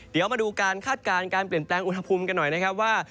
เดี๋ยวมาดูการคาดการณ์การเปลี่ยนแปลงอุณหภูมิกันหน่อยนะครับว่า